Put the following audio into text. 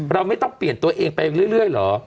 เราไม่ต้องเปลี่ยนตัวเองไปเรื่อยเหรอ